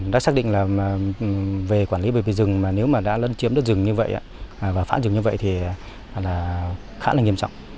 đã xác định là về quản lý bởi vì rừng mà nếu mà đã lân chiếm đất rừng như vậy và phá rừng như vậy thì khá là nghiêm trọng